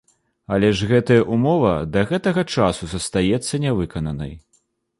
Але ж гэтая ўмова да гэтага часу застаецца не выкананай.